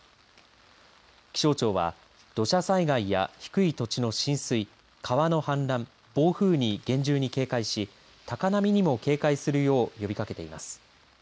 気象庁は土砂災害や低い土地の浸水川の氾濫、暴風に厳重に警戒し高波にも警戒するよう呼びかけています。